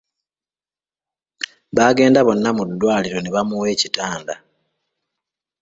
Baagenda bonna mu ddwaliro ne bamuwa ekitanda.